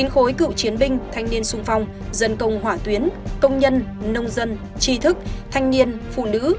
chín khối cựu chiến binh thanh niên sung phong dân công hỏa tuyến công nhân nông dân tri thức thanh niên phụ nữ